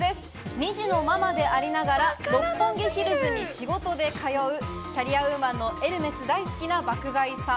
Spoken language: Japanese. ２児のママでありながら六本木ヒルズに仕事で通うキャリアウーマンのエルメス大好きな爆買いさん。